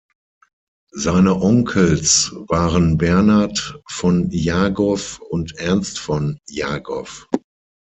Seine Onkels waren Bernhard von Jagow und Ernst von Jagow.